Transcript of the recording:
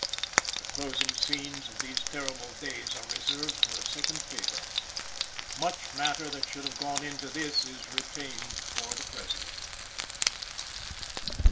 The closing scenes of these terrible days are reserved for a second paper. Much matter that should have gone into this is retained for the present.